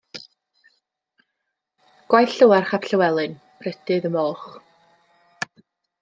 Gwaith Llywarch Ap Llywelyn Prydydd y Moch.